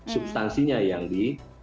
substansinya yang di